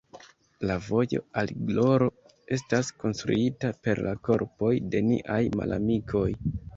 La vojo al gloro estas konstruita per la korpoj de niaj malamikoj.